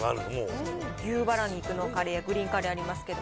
牛ばら肉のカレー、グリーンカレーありますけど。